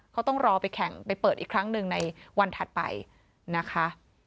เขาต้องรอไปแข่งไปเปิดอีกครั้งหนึ่งในวันถัดไปนะคะ